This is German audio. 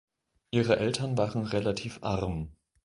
Ihre Eltern waren relativ arm.